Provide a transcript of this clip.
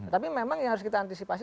tapi memang yang harus kita antisipasi